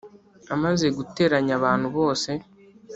amaze guteranya abantu bose